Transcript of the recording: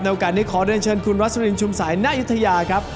โอกาสนี้ขอเดินเชิญคุณวัสลินชุมสายนายอยุธยาครับ